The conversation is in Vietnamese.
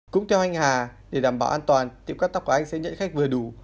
cũng theo anh hà để đảm bảo an toàn tiệm cắt tóc của anh sẽ nhận khách vừa đủ